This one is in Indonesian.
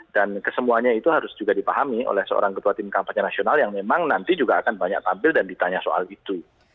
dan kesemuanya itu harus juga dipahami oleh seorang ketua tim kampanye nasional yang memang nanti juga akan banyak tampil dan ditanya soal itu